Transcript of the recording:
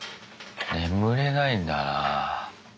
眠れないんだなぁ。